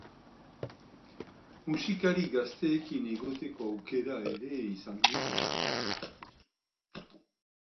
Musikari gazteekin egoteko aukera ere izan dugu.